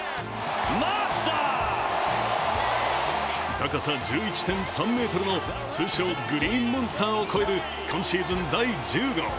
高さ１１．３ｍの通称・グリーンモンスターを越える今シーズン第１０号。